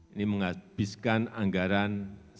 ini menghabiskan anggaran satu